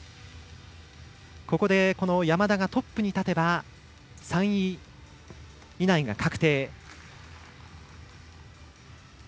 ここで山田がトップに立てば３位以内が確定。